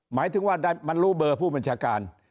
หมายถึงว่ามันรู้เบอร์ผู้บัญชาการ